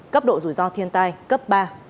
cấp độ rủi ro thiên tai cấp ba